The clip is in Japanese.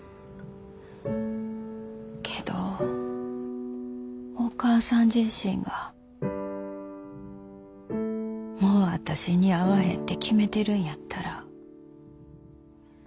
けどお母さん自身がもう私に会わへんて決めてるんやったら。